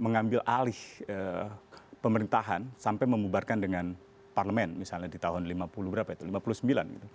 mengambil alih pemerintahan sampai memubarkan dengan parlemen misalnya di tahun lima puluh berapa itu lima puluh sembilan gitu